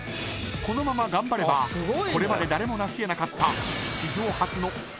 ［このまま頑張ればこれまで誰も成し得えなかった］